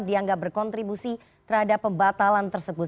dianggap berkontribusi terhadap pembatalan tersebut